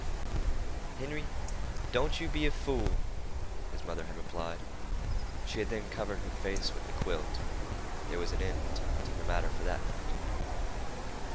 "Henry, don't you be a fool," his mother had replied. She had then covered her face with the quilt. There was an end to the matter for that night.